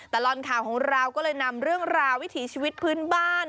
ตลอดข่าวของเราก็เลยนำเรื่องราววิถีชีวิตพื้นบ้าน